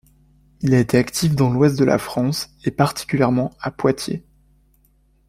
Il a été actif dans l'ouest de la France et particulièrement à Poitiers.